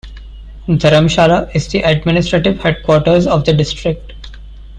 Dharamshala is the administrative headquarters of the district.